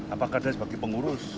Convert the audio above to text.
apakah dari sebagai pengurus